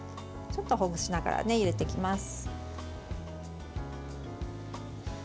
ちょっとほぐしながらゆでていきます。